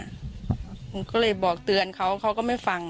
หนูก็เลยบอกเตือนเขาเขาก็ไม่ฟัง